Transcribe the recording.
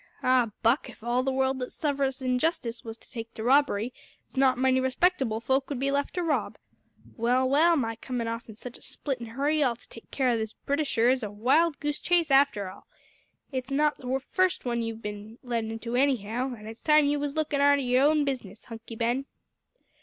Ah! Buck, if all the world that suffers injustice was to take to robbery it's not many respectable folk would be left to rob. Well, well, my comin' off in such a splittin' hurry to take care o' this Britisher is a wild goose chase arter all! It's not the first one you've bin led into anyhow, an' it's time you was lookin' arter yer own business, Hunky Ben."